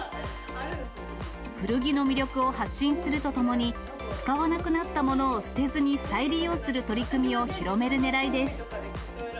古着の魅力を発信するとともに、使わなくなったものを捨てずに再利用する取り組みを広めるねらいです。